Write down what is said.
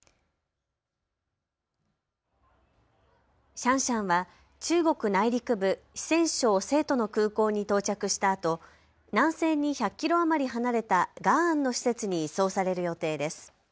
シャンシャンは中国内陸部四川省成都の空港に到着したあと南西に１００キロ余り離れた雅安の施設に移送される予定です。